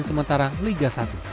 men sementara liga satu